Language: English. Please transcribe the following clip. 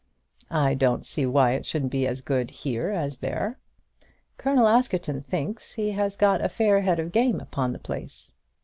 "I don't see why it shouldn't be as good here as there." "Colonel Askerton thinks he has got a fair head of game upon the place."